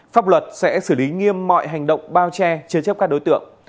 pháp luật sẽ xử lý nghiêm mọi hành động bao che chế chấp các đối tượng